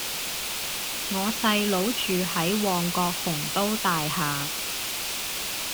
我細佬住喺旺角鴻都大廈